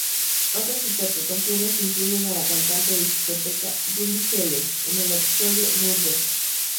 Otras interpretaciones incluyen a la cantante de discoteca Julie Heller en el episodio "Murder!